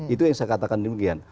itu yang saya katakan demikian